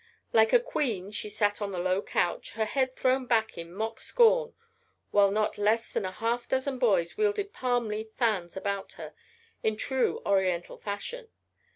Like a queen she sat on the low couch, her head thrown back in mock scorn, while not less than a half dozen boys wielded palm leaf fans about her, in true oriental fashion.